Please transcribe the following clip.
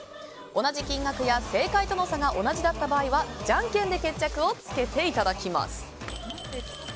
同じ金額や正解との差が同じだった場合はじゃんけんで決着をつけていただきます。